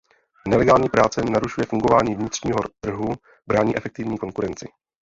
Nelegální práce narušuje fungování vnitřního trhu, brání efektivní konkurenci.